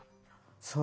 そう。